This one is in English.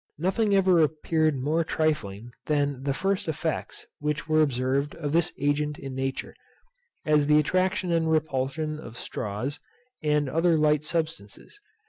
Nothing ever appeared more trifling than the first effects which were observed of this agent in nature, as the attraction and repulsion of straws, and other light substances.